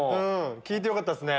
聞いてよかったっすね。